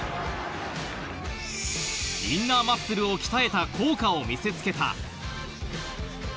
インナーマッスルを鍛えた効果を見せつけた。